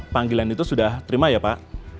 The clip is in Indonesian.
panggilan itu sudah terima ya pak